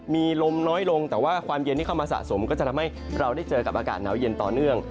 มีลมน้อยลงแต่ว่าความเย็นที่เข้ามาสะสมก็จะทำให้เราได้เจอกับอากาศหนาวเย็นต่อเนื่อง